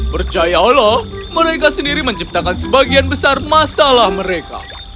percayalah mereka sendiri menciptakan sebagian besar masalah mereka